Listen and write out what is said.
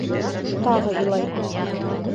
Тағы илай.